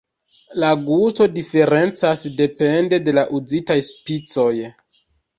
La gusto diferencas depende de la uzitaj spicoj.